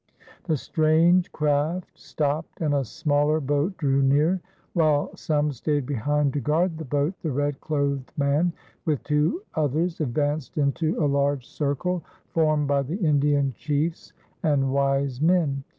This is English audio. The strange craft stopped and a smaller boat drew near. While some stayed behind to guard the boat, the red clothed man with two others advanced into a large circle formed by the Indian chiefs and wise men.